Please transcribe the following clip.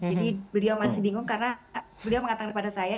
jadi beliau masih bingung karena beliau mengatakan kepada saya